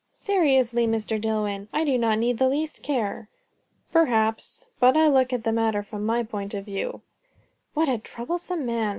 "Seriously, Mr. Dillwyn, I do not need the least care." "Perhaps. But I must look at the matter from my point of view." What a troublesome man!